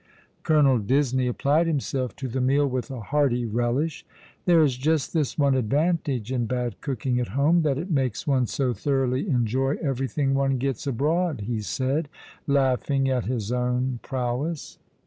Colonel Disney applied himself to the meal with a hearty relish. " There is Just this one advantage in bad cooking at home that it makes one so thoroughly enjoy everything one gets abroad," he said, laughing at his own prowess.